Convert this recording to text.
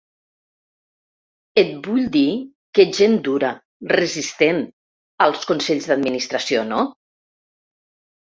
Et vull dir que gent dura, resistent, als consells d’administració, no?